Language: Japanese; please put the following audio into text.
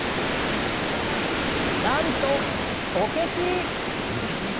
なんと、こけし！